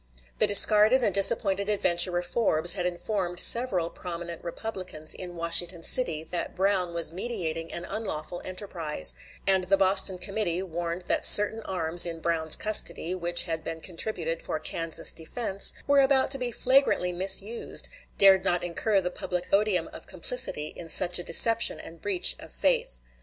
The discarded and disappointed adventurer Forbes had informed several prominent Republicans in Washington City that Brown was meditating an unlawful enterprise; and the Boston committee, warned that certain arms in Brown's custody, which had been contributed for Kansas defense, were about to be flagrantly misused, dared not incur the public odium of complicity in such a deception and breach of faith.